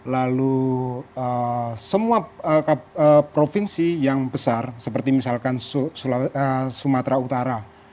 lalu semua provinsi yang besar seperti misalkan sumatera utara